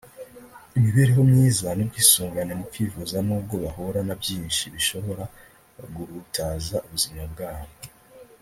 imibereho myiza n’ubwisungane mu kwivuza n’ubwo bahura na byinshi bishobora guhutaza ubuzima bwabo